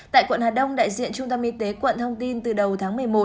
tại quận hà đông đại diện trung tâm y tế quận thông tin từ đầu tháng một mươi một